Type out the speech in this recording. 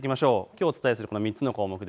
きょうお伝えする３つの項目